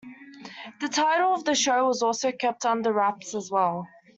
The title of the show was also kept under wraps as well.